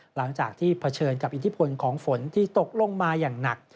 หลังจากที่เผชิญกับอิทธิพลของฝนที่ตกลงมาอย่างหนัก